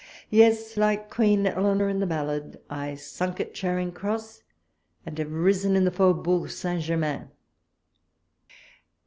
Yes, like Queen Eleanor in the ballad, I sunk at Charing Cross, and have risen in the Fauxbourg St. Germain.